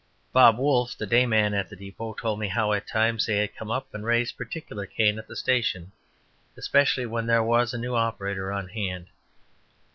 Bob Wolfe, the day man at the depot, told me how at times they had come up and raised particular Cain at the station, especially when there was a new operator on hand.